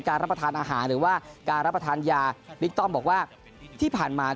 รับประทานอาหารหรือว่าการรับประทานยาบิ๊กต้อมบอกว่าที่ผ่านมา